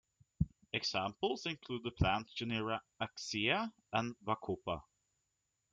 Examples include the plant genera "Acacia" and "Bacopa".